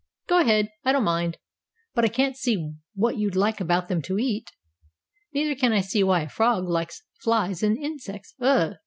"Go ahead. I don't mind. But I can't see what you like about them to eat." "Neither can I see why a frog likes flies and insects. Ugh!